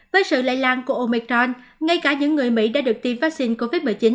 với sự lây lan của omicron ngay cả những người mỹ đã được tiêm vaccine covid một mươi chín